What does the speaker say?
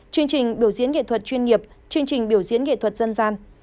chương trình biểu diễn nghệ thuật chuyên nghiệp chương trình biểu diễn nghệ thuật dân gian